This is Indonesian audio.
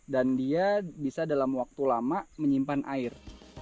dan dia bisa dalam waktu lama menyimpan air